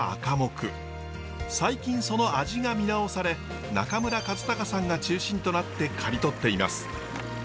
最近その味が見直され中村和孝さんが中心となって刈り取っています。